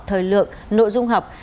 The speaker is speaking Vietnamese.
thời lượng nội dung học